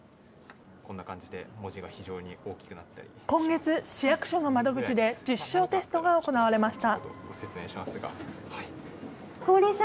今月、市役所の窓口で実証テストが行われました。